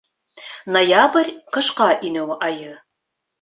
Ноябрь — ҡышҡа инеү айы.